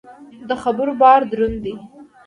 د خبرو بار دروند دی.